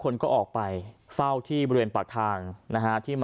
หญิงบอกว่าจะเป็นพี่ปวกหญิงบอกว่าจะเป็นพี่ปวก